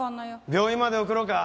病院まで送ろうか？